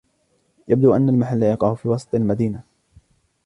يبدو أن المحل يقع في وسط المدينة.